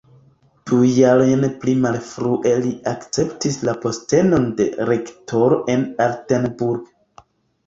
Du jarojn pli malfrue li akceptis la postenon de rektoro en Altenburg.